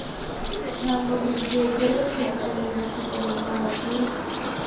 Ntabwo buri gihe byoroshye gukomeza kugira ubuzima bwiza.